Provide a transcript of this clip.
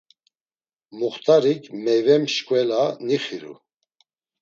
Muxt̆arik meyve mşkvela nixiru.